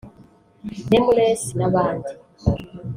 Nameless n’abandi